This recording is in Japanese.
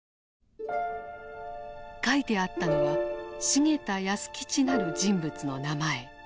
書いてあったのは「繁田保吉」なる人物の名前。